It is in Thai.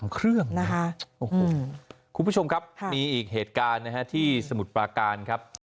๑๓เครื่องนะครับคุณผู้ชมครับมีอีกเหตุการณ์ที่สมุดปาการครับ